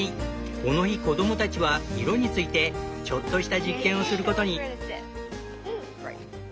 この日子供たちは「色」についてちょっとした実験をすることに。